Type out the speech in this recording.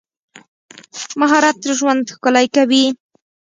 مهارت ژوند ښکلی کوي.